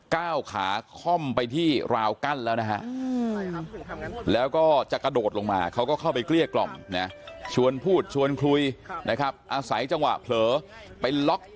ก้าวขาค่อมไปที่ราวกั้นแล้วนะฮะ